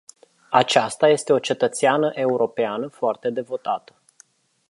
Aceasta este o cetățeană europeană foarte devotată.